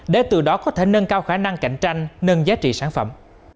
để từ đó có thể nâng cao khả năng cạnh tranh nâng giá trị sản phẩm